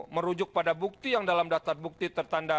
merujuk pada bukti yang dalam daftar bukti tertanda